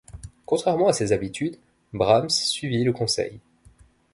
Contrairement à ses habitudes, Brahms suivit le conseil.